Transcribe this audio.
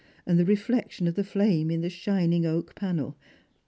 — and the reflection of the flame in the shining oak panel.